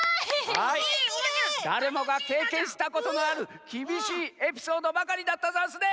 はいだれもがけいけんしたことのあるきびしいエピソードばかりだったざんすね。